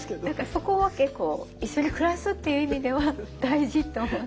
そこは結構一緒に暮らすっていう意味では大事って思う。